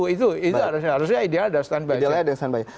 itu harusnya idealnya ada standby